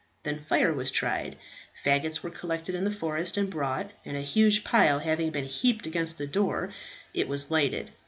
Then fire was tried. Faggots were collected in the forest, and brought; and a huge pile having been heaped against the door, it was lighted.